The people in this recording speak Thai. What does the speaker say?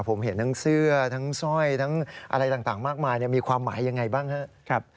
ผมเห็นทั้งเสื้อทั้งสร้อยทั้งอะไรต่างมากมายมีความหมายยังไงบ้างครับ